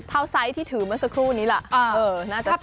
เท่าไซส์ที่ถือเมื่อสักครู่นี้แหละเออน่าจะใช่